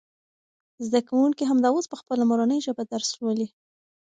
زده کوونکي همدا اوس په خپله مورنۍ ژبه درس لولي.